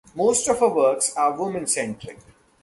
Most of her works are women centric.